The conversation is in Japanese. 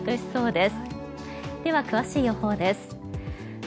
では、詳しい予報です。